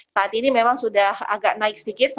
saat ini memang sudah agak naik sedikit satu empat satu lima